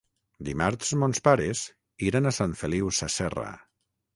Dimarts mons pares iran a Sant Feliu Sasserra.